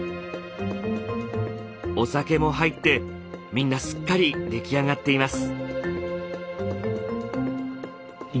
お酒も入ってみんなすっかりできあがっています。